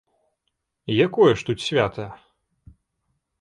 Якое ж тут свята?!